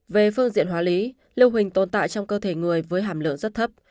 về phương diện hóa lý lưu hình tồn tại trong cơ thể người với hàm lượng rất thấp